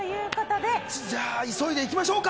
では、急いでいきましょうか。